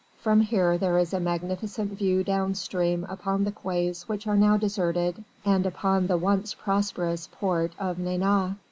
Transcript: From here there is a magnificent view downstream upon the quays which are now deserted and upon the once prosperous port of Nantes.